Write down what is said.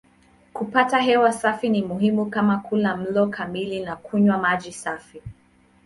Kupata hewa safi ni muhimu kama kula mlo kamili na kunywa maji safi.